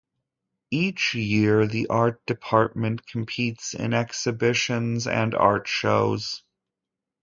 Each year the art department competes in exhibitions and art shows.